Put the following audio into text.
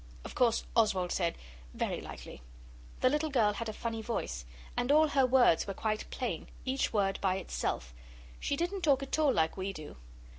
Of course Oswald said, 'Very likely.' The little girl had a funny voice, and all her words were quite plain, each word by itself; she didn't talk at all like we do.